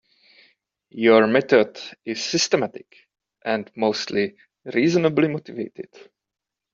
Your method is systematic and mostly reasonably motivated.